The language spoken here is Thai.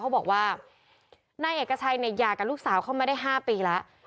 เขาบอกว่านายเอกชัยเนี่ยหย่ากับลูกสาวเข้ามาได้๕ปีแล้ว